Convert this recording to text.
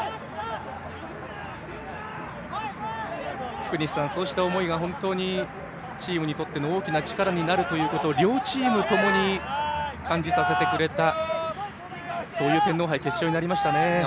福西さん、そうした思いがチームにとっての大きな力になるということを両チームともに感じさせてくれたそういう天皇杯決勝になりましたね。